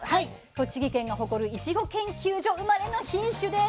栃木県が誇るいちご研究所生まれの品種です。